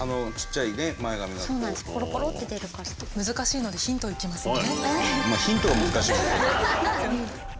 難しいのでヒントいきますね。